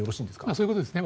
そういうことですね。